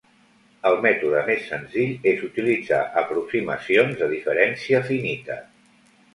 El mètode més senzill és utilitzar aproximacions de diferència finita.